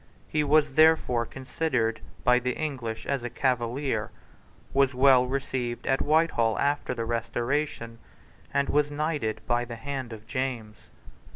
He was therefore considered by the English as a Cavalier, was well received at Whitehall after the Restoration, and was knighted by the hand of James.